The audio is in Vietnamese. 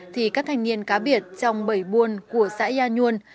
thì các thanh niên cá biệt trong bảy buôn của xã gia nhuân